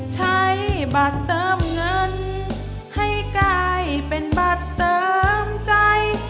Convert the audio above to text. ใช้บัตรเติมเงินให้กลายเป็นบัตรเติมใจ